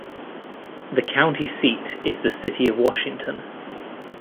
The county seat is the city of Washington.